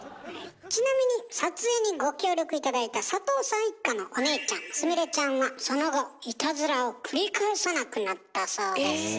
ちなみに撮影にご協力頂いた佐藤さん一家のお姉ちゃんのすみれちゃんはその後いたずらを繰り返さなくなったそうです。え。